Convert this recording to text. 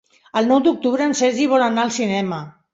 El nou d'octubre en Sergi vol anar al cinema.